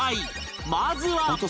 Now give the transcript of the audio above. まずは